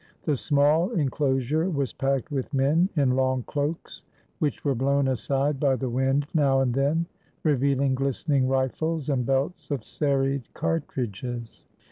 The small inclosure was packed with men in long cloaks, which were blown aside by the wind now and then, revealing glistening rifles and belts of serried cartridges.